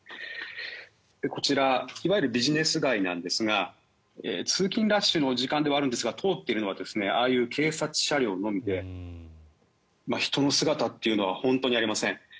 こちらいわゆるビジネス街なんですが通勤ラッシュの時間ではあるんですが通っているのはああいう警察車両のみで人の姿というのは本当にありません。